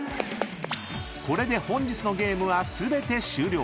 ［これで本日のゲームは全て終了］